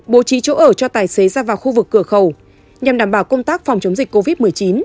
bố trí chỗ ở cho tài xế ra vào khu vực cửa khẩu nhằm đảm bảo công tác phòng chống dịch covid một mươi chín